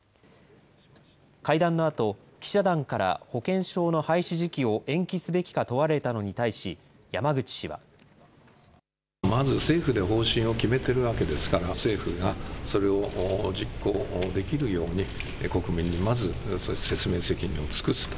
会談のあと記者団から保険証の廃止時期を延期すべきか問われたのに対し山口氏は。まず政府で方針を決めているわけですから政府がそれを実行できるように国民にまず説明責任を尽くすと。